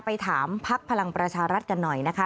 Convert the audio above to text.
ถามพักพลังประชารัฐกันหน่อยนะคะ